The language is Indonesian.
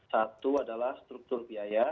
satu adalah struktur biaya